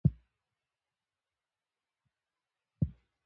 د ژبې د تاریخ په اړه څېړنې روانې دي.